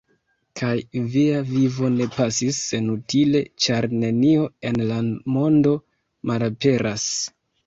Kaj via vivo ne pasis senutile, ĉar nenio en la mondo malaperas.